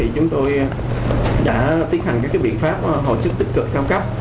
chúng tôi đã tiến hành các biện pháp hồi sức tích cực cao cấp